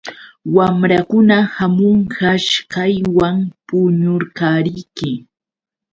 Wamrankuna hamunqash kaywan puñunqariki.